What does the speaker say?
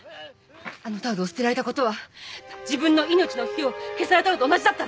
あのタオルを捨てられた事は自分の命の火を消されたのと同じだったんだよ。